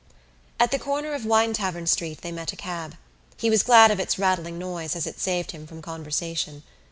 At the corner of Winetavern Street they met a cab. He was glad of its rattling noise as it saved him from conversation.